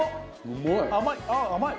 甘い！